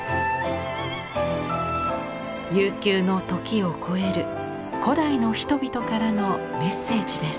悠久の時を超える古代の人々からのメッセージです。